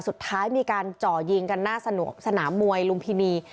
สุดท้ายมีการจ่อยิงกันหน้าสนามมวยลุมพินี